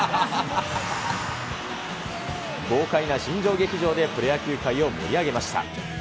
豪快な新庄劇場でプロ野球界を盛り上げました。